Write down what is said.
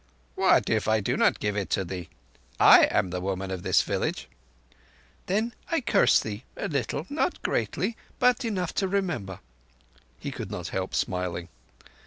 "What if I do not give it thee? I am the woman of this village." "Then I curse thee—a little—not greatly, but enough to remember." He could not help smiling.